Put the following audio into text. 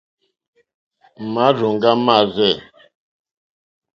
Márzòŋɡá mâ rzɛ̂.